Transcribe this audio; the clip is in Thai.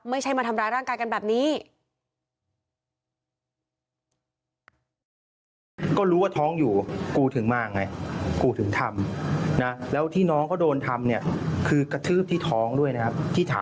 ไม่ใช่มาทำร้ายร่างกายกันแบบนี้